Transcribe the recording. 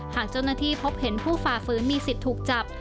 หากเจ้าหน้าที่พบเห็นผู้ฝ่าฝืนมีสิทธิ์ถูกจับ